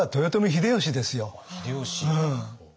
秀吉。